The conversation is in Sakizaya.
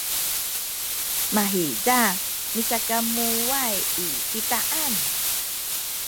mahiza misakamuway i titaan